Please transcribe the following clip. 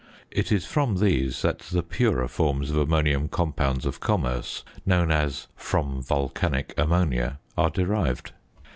It is from these that the purer forms of ammonium compounds of commerce known as "from volcanic ammonia" are derived.